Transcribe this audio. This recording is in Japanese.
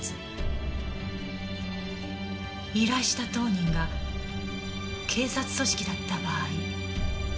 依頼した当人が警察組織だった場合。